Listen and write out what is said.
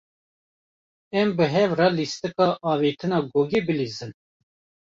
Em bi hev re lîstika avêtina gogê bilîzin.